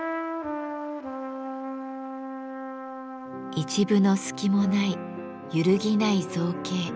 一分の隙もない揺るぎない造形。